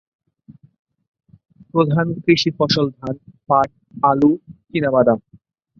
প্রধান কৃষি ফসল ধান, পাট, আলু, চিনাবাদাম।